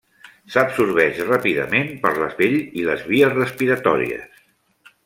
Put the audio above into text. S'absorbeix ràpidament per la pell i les vies respiratòries.